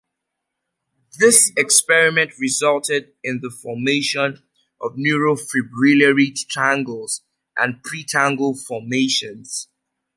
This experiment resulted in the formation of neurofibrillary tangles and pretangle formations.